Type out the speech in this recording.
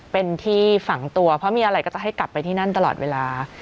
เป็นที่ฝังตัวเพราะมีอะไรก็จะให้กลับไปที่นั่นตลอดเวลา